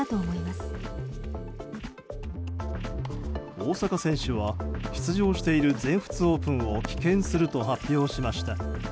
大坂選手は出場している全仏オープンを棄権すると発表しました。